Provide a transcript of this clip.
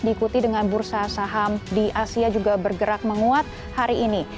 diikuti dengan bursa saham di asia juga bergerak menguat hari ini